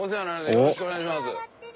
よろしくお願いします。